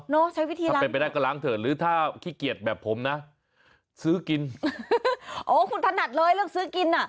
ใช้วิธีถ้าเป็นไปได้ก็ล้างเถอะหรือถ้าขี้เกียจแบบผมนะซื้อกินโอ้คุณถนัดเลยเรื่องซื้อกินอ่ะ